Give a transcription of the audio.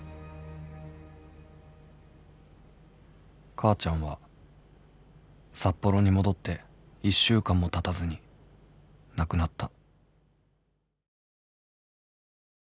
［母ちゃんは札幌に戻って１週間もたたずに亡くなった］